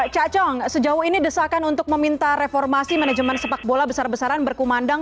cacong sejauh ini desakan untuk meminta reformasi manajemen sepak bola besar besaran berkumandang